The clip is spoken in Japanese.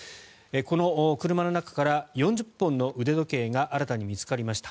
この車の中から４０本の腕時計が新たに見つかりました。